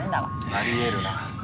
あり得るな。